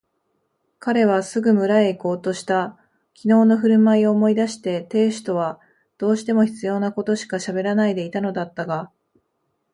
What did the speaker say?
彼はすぐ村へいこうとした。きのうのふるまいを思い出して亭主とはどうしても必要なことしかしゃべらないでいたのだったが、